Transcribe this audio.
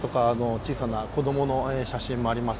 小さな子供の写真もあります。